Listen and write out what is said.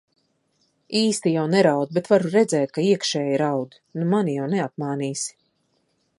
Īsti jau neraud, bet varu redzēt, ka iekšēji raud. Nu mani jau neapmānīsi.